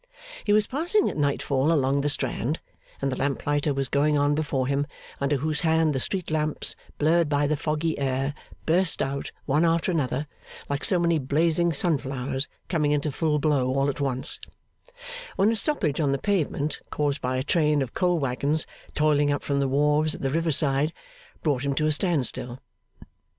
He was passing at nightfall along the Strand, and the lamp lighter was going on before him, under whose hand the street lamps, blurred by the foggy air, burst out one after another, like so many blazing sunflowers coming into full blow all at once, when a stoppage on the pavement, caused by a train of coal waggons toiling up from the wharves at the river side, brought him to a stand still.